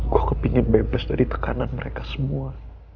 gue kepengen bebas dari tekanan mereka semua